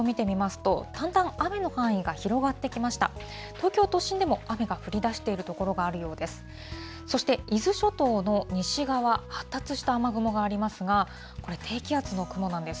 東京都心でも、雨が降りだしている所があるようです。